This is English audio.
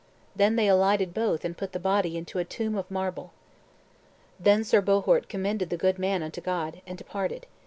Then they alighted both, and put the body into a tomb of marble. Then Sir Bohort commended the good man unto God, and departed.